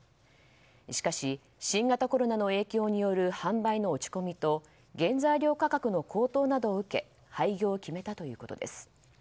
しかし、新型コロナの影響による販売の落ち込みと原材料価格の高騰などを受け廃業を決めたということです。